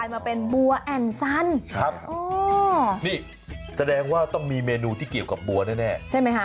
ข้างบัวแห่งสันยินดีต้อนรับทุกท่านนะครับ